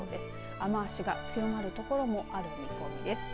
雨足が強まるところもある見込みです。